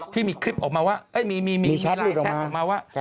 ที่มีคลิปออกมาว่ามีรายแทรกออกมาว่า